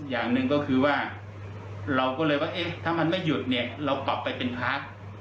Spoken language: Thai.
อย่างหนึ่งก็คือว่าเราก็เลยว่าถ้ามันไม่หยุดเราปรับไปเป็นพาร์ท